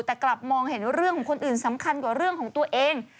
แต่กลับมองเห็นเรื่องของคนอื่นสำคัญกว่าเรื่องของตัวเอง